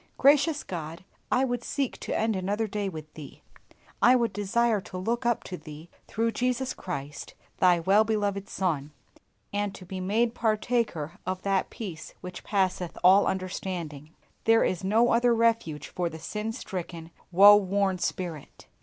Gracious God, I would seek to end another day with Thee; I would desire to look up to Thee through Jesus Christ, Thy well beloved Son, and to be made partaker of that peace which passeth all understanding. There is no other refuge for the sin stricken, woe worn spirit.